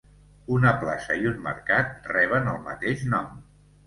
Una plaça i un mercat reben el mateix nom.